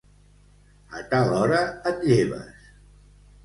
A tal hora et lleves.